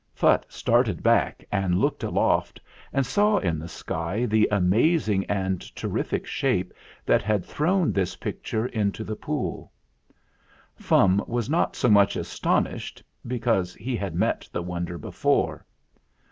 Phutt started back and looked aloft, and saw in the sky the amazing and terrific shape that had thrown this picture into the pool. Fum was not so much astonished, because he had met the wonder before.